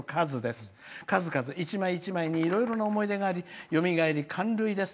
数々一枚一枚にいろいろな思い出があり見るたび感涙です。